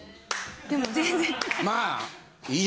でも全然。